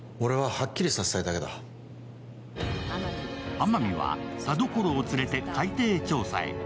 天海は田所を連れて海底調査へ。